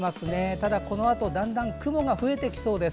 ただ、このあとだんだん雲が増えてきそうです。